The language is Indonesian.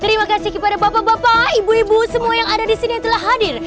terima kasih kepada bapak bapak ibu ibu semua yang ada di sini yang telah hadir